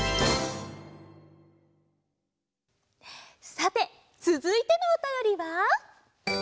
さてつづいてのおたよりは。